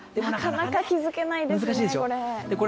なかなか気づけないですね、これ。